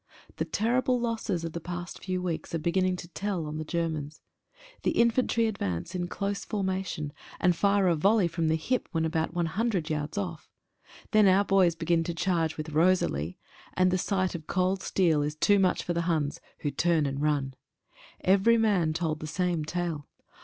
The terrible losses of the past few weeks are beginning to tell on the Germans. The infantry advance $ THE REVIEW. in close formation and fire a volley from the hip when about one hundred yards off. Then our boys begin to charge with "Rosalie," and the sight of cold steel is too much for the Huns, who turn and run. Every man told the same tale.